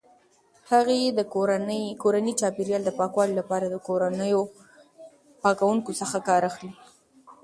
هغې د کورني چاپیریال د پاکوالي لپاره د کورنیو پاکونکو څخه کار اخلي.